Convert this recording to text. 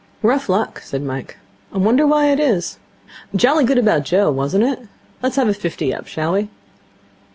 'Rough luck,' said Mike. 'I wonder why it is. Jolly good about Joe, wasn't it? Let's have fifty up, shall we?'